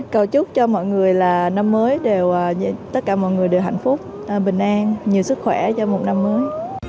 cầu chúc cho mọi người là năm mới đều tất cả mọi người đều hạnh phúc bình an nhiều sức khỏe cho một năm mới